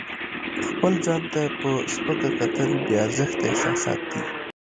خپل ځان ته په سپکه کتل بې ارزښته احساسات دي.